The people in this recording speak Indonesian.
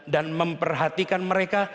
dan memperhatikan mereka